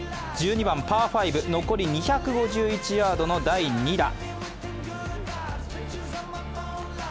１２番パー５、残り２５１ヤードの第２打。